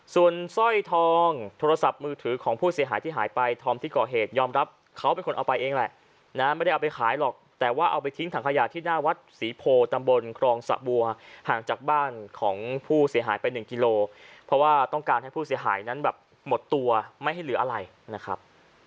ส่วนสร้อยทองโทรศัพท์มือถือของผู้เสียหายที่หายไปธอมที่ก่อเหตุยอมรับเขาเป็นคนเอาไปเองแหละนะไม่ได้เอาไปขายหรอกแต่ว่าเอาไปทิ้งถังขยะที่หน้าวัดศรีโพตำบลครองสะบัวห่างจากบ้านของผู้เสียหายไปหนึ่งกิโลเพราะว่าต้องการให้ผู้เสียหายนั้นแบบหมดตัวไม่ให้เหลืออะไรนะครับ